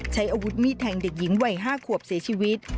ใช้อาวุธมีดแทงเด็กหญิงวัย๕ขวบเสียชีวิต